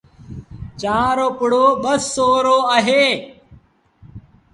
چآنه رو پڙو ٻآسورو اهي۔